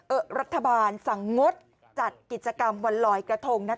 รัฐบาลสั่งงดจัดกิจกรรมวันลอยกระทงนะคะ